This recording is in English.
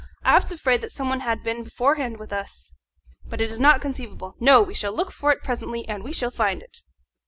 "I was afraid that some one had been beforehand with us. But it is not conceivable. No! we shall look for it presently, and we shall find it."